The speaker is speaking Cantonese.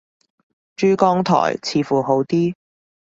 珠江台似乎好啲